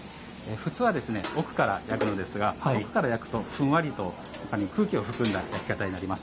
普通は奥から焼くのですが奥から焼くとふんわりと空気を含んだ焼き方になります。